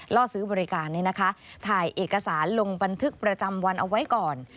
ล่อซื้อบริการถ่ายเอกสารลงบันทึกประจำวันเอาไว้ก่อน